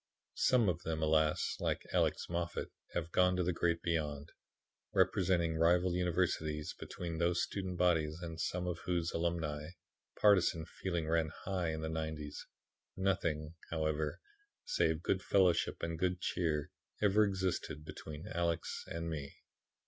"Some of them, alas! like Alex Moffat, have gone to the Great Beyond. Representing rival universities, between whose student bodies and some of whose alumni, partisan feeling ran high in the '90's, nothing, however, save good fellowship and good cheer ever existed between Alex and me.